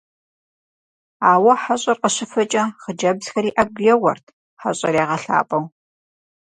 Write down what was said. Ауэ хьэщӀэр къыщыфэкӀэ хъыджэбзхэри Ӏэгу еуэрт, хьэщӀэр ягъэлъапӀэу.